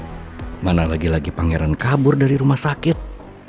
kemana lagi lagi pangeran kabur dari rumah sakit